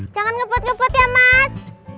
jangan ngebut ngebut ya mas